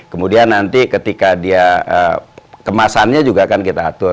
kemudian nanti ketika dia kemasannya juga akan kita atur